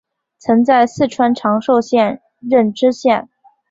曾在四川长寿县任知县。